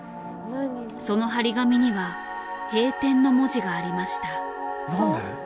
その貼り紙には閉店の文字がありました。